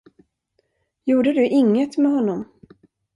Gjorde du inget med honom?